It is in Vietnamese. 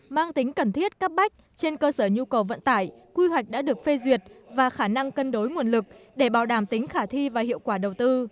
mang tính cần thiết cấp bách trên cơ sở nhu cầu vận tải quy hoạch đã được phê duyệt và khả năng cân đối nguồn lực để bảo đảm tính khả thi và hiệu quả đầu tư